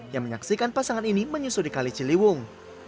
yang menyaksikan pasangan ini menyusuri kaliciliwung